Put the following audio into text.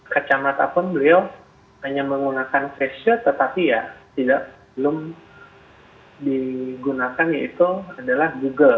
kacamata pun beliau hanya menggunakan face shield tetapi ya belum digunakan yaitu adalah google